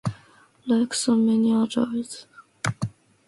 Like so many others of his compatriots, he picked up Liberal ideas abroad.